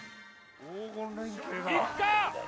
いくか？